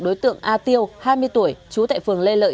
đối tượng a tiêu hai mươi tuổi trú tại phường lê lợi